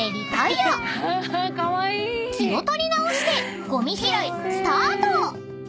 ［気を取り直してごみ拾いスタート！］